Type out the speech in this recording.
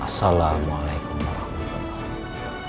assalamualaikum warahmatullah wabarakatuh